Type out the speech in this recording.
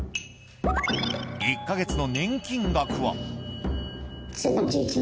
１か月の年金額は。